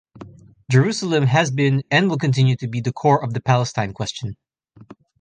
Jerusalem has been and will continue to be the core of the Palestine Question.